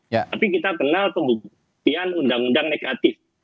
tapi kita kenal pembuktian undang undang negatif